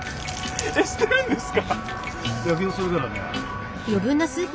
えっ捨てるんですか？